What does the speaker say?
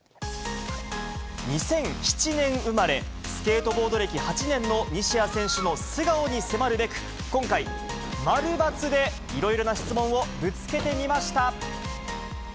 ２００７年生まれ、スケートボード歴８年の西矢選手の素顔に迫るべく、今回、〇×でいろいろな質問をぶつけてみました。